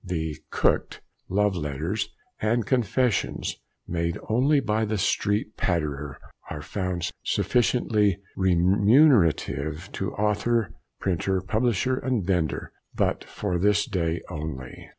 "The (cooked) Love Letters" and "Confessions" made only by the Street Patterer, and are found sufficiently remunerative to author, printer, publisher, and vendor But for THIS DAY ONLY!